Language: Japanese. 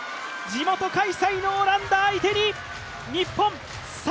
地元開催のオランダ相手に日本、３−０！